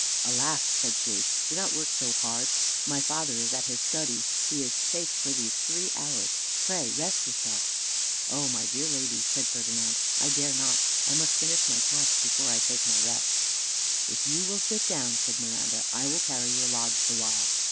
"Alas!" said she, "do not work so hard; my father is at his studies, he is safe for these three hours; pray rest yourself." "O my dear lady," said Ferdinand, "I dare not. I must finish my task before I take my rest." "If you will sit down," said Miranda, "I will carry your logs the while."